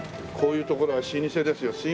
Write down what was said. こういうところは老舗ですよ。